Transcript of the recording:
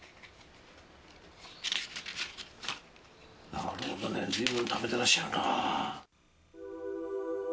なるほどね随分貯めてらっしゃるな。